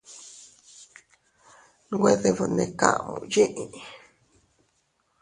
Güe debnekamu yee.